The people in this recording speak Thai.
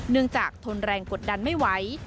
เนื่องจากทนแรงกดดันไม่ไหว